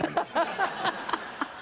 ハハハハ！